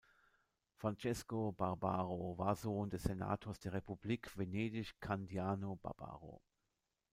Francesco Barbaro war Sohn des Senators der Republik Venedig Candiano Barbaro.